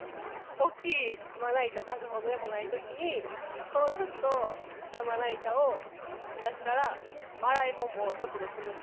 大きいまな板出すほどでもないときに、このちょっとしたまな板を出したら、洗い物もちょっとで済むし。